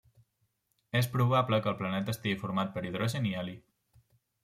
És probable que el planeta estigui format per hidrogen i heli.